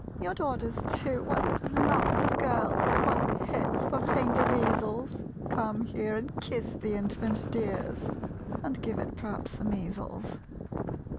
"Your daughters, too, what loves of girls What heads for painters' easels! Come here and kiss the infant, dears (And give it p'rhaps the measles!)